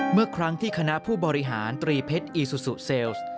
เมื่อครั้งที่คณะผู้บริหารตรีเพชรอีซูซูเซลส์